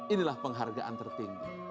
inilah penghargaan tertinggi